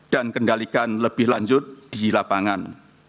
dan kendalikan lebih lanjut di lapangan